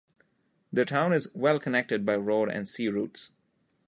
The town is well connected by road and sea routes.